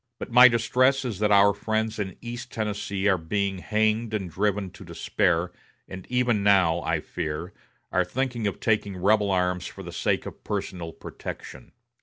But my distress is that our friends in East Tennessee are being hanged and driven to despair, and even now, I fear, are thinking of taking rebel arms for the sake of personal protection.